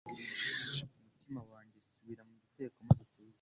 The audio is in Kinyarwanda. Mutima wanjye subira mu gitereko maze utuze